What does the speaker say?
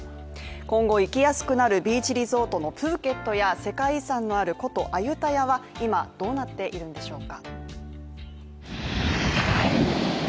今後行きやすくなるビーチリゾートプーケットや、世界遺産のある古都アユタヤは今どうなっているんでしょうか？